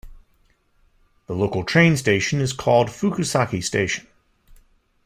The local train station is called Fukusaki Station.